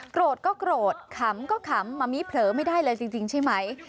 ก็โกรธขำก็ขำมะมิเผลอไม่ได้เลยจริงใช่ไหม